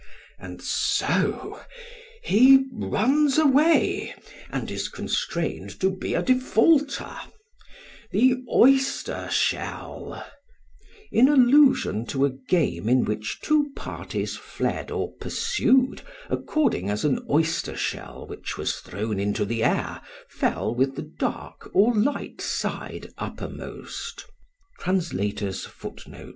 And so he runs away and is constrained to be a defaulter; the oyster shell (In allusion to a game in which two parties fled or pursued according as an oyster shell which was thrown into the air fell with the dark or light side uppermost.)